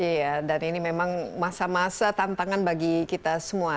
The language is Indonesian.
iya dan ini memang masa masa tantangan bagi kita semua